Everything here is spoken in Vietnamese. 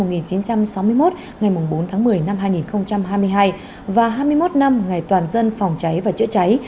ngày bốn tháng một mươi năm hai nghìn hai mươi hai và hai mươi một năm ngày toàn dân phòng cháy và chữa cháy